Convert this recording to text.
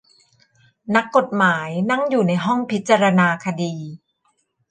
นักกฏหมายนั่งอยู่ในห้องพิจารณาคดี